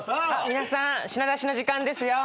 皆さん品出しの時間ですよ。